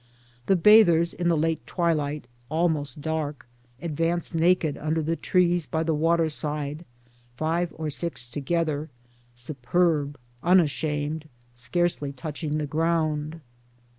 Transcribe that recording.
The bathers in the late twilight, almost dark, advance naked under the trees by the waterside, five or six together, superb, unashamed, scarcely touching the ground.